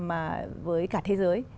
mà với cả thế giới